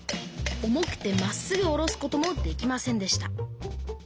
重くてまっすぐ下ろすこともできませんでした